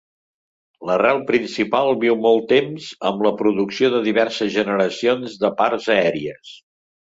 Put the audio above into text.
L'arrel principal viu molt temps, amb la producció de diverses generacions de parts aèries.